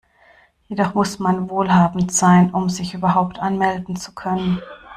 Jedoch muss man wohlhabend sein, um sich überhaupt anmelden zu können.